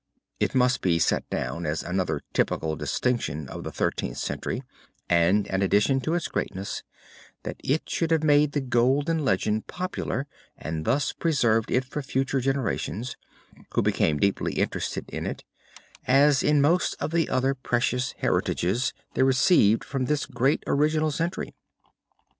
It must be set down as another typical distinction of the Thirteenth Century and an addition to its greatness, that it should have made the Golden Legend popular and thus preserved it for future generations, who became deeply interested in it, as in most of the other precious heritages they received from this great original century.